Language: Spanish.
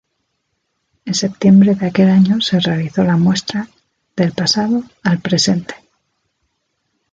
En septiembre de aquel año se realizó la muestra "Del pasado al presente.